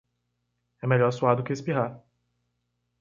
É melhor suar do que espirrar.